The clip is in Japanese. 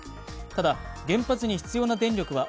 ただ、原発に必要な電力は